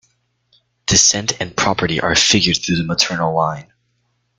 Descent and property are figured through the maternal line.